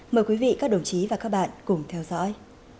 mời quý vị các đồng chí và các bạn cùng theo dõi